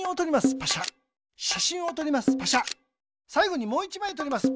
さいごにもう１まいとります。